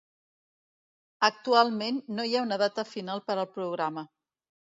Actualment no hi ha una data final per al programa.